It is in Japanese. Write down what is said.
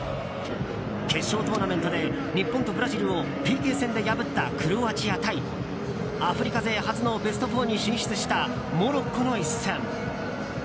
決勝トーナメントで日本とブラジルをＰＫ戦で破ったクロアチア対アフリカ勢初のベスト４に進出したモロッコの一戦。